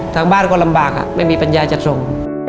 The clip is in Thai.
ทางบ้านก็ลำบากไม่มีปัญญาจะส่ง